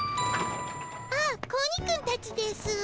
あっ子鬼くんたちですぅ。